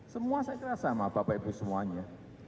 semua saya kira sama bapak ibu semuanya